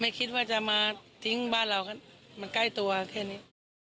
คิดว่าจะมาทิ้งบ้านเรามันใกล้ตัวแค่นี้